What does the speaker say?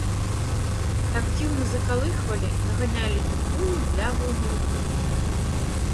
Так дзіўна закалыхвалі, наганялі тупую, млявую нерухомасць.